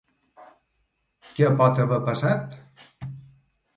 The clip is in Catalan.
Què pot haver passat?